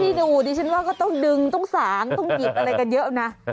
ดูดิฉันว่าก็ต้องดึงต้องสางต้องหยิบอะไรกันเยอะนะ